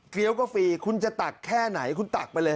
ก็ฟรีคุณจะตักแค่ไหนคุณตักไปเลย